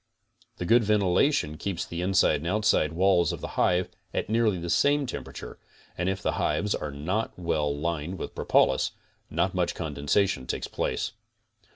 The good ventilation keeps the inside and outside walls of the hive at nearly the same temperature and if the hives are not well lined with propolis, not much condensation takes place.